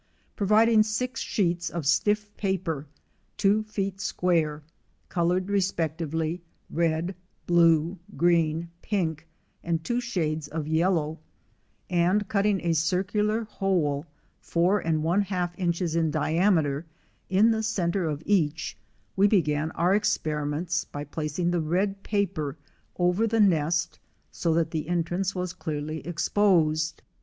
Providing six sheets of stiff paper two feet square, colored respectively red, blue, green, pink, and two shades of yellow, and cut ting a circular hole four and one half inches in diameter in the centre of each, we began our experiments by pla cing the red paper over the nest so that the entrance was clearly exposed.